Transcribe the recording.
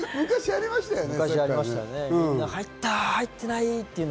って、昔ありましたよね。